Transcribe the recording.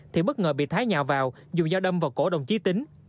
thì bất ngờ bị thái nhào vào dùng dao đâm vào cổ đồng chí tính